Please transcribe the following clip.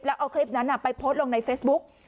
แล้วเอาคลิปนั้นไปโพสต์ลงในเฟซบุ๊ก